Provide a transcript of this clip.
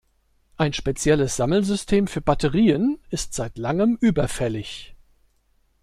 Ein spezielles Sammelsystem für Batterien ist seit langem überfällig.